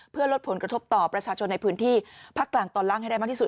เพื่อลดผลกระทบต่อประชาชนในพื้นที่ภาคกลางตอนล่างให้ได้มากที่สุด